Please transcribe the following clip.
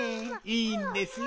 いいんですよ。